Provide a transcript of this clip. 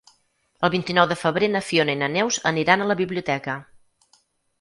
El vint-i-nou de febrer na Fiona i na Neus aniran a la biblioteca.